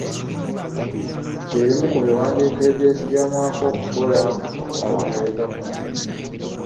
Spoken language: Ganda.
Bye bimu ku biwandiiko ebyesigamwako okukola okunoonyereza kuno.